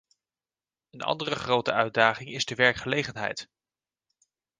Een andere grote uitdaging is de werkgelegenheid.